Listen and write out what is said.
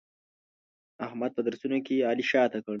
احمد په درسونو کې علي شاته کړ.